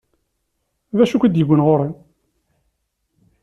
D acu i k-id-iwwin ɣur-i?